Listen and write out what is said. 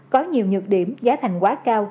có nhiều nhược điểm giá thành quá cao